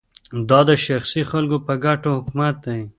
دا د شخصي خلکو په ګټه حکومت دی